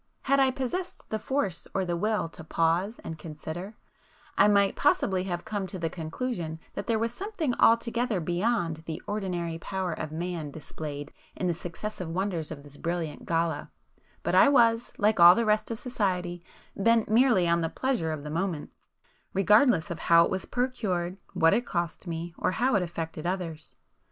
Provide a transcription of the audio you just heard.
Had I possessed the force or the will to pause and consider, I might possibly have come to the conclusion that there was something altogether beyond the ordinary power of man displayed in the successive wonders of this brilliant 'gala,'—but I was, like all the rest of society, bent merely on the pleasure of the moment, regardless of how it was procured, what it cost me, or how it affected others.